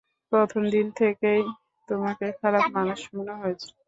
প্রথম দিন থেকেই তোমাকে খারাপ মানুষ মনে হয়েছে।